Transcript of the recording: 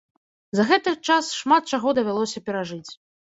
За гэты час шмат чаго давялося перажыць.